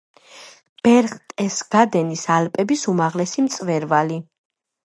ბერხტესგადენის ალპების უმაღლესი მწვერვალი.